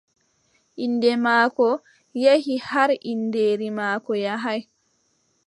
Innde maako yehi har inndeeri maako yahaay.